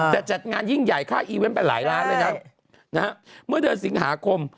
แต่จัดงานยิ่งใหญ่ค่าอีเวนต์ไปหลายล้านเลยนะเมื่อเดือนสิงหาคม